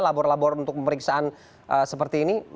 labor labor untuk pemeriksaan seperti ini